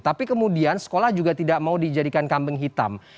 tapi kemudian sekolah juga tidak mau dijadikan kambing hitam